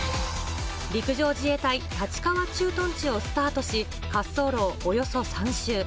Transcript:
陸上自衛隊立川駐屯地をスタートし、滑走路をおよそ３周。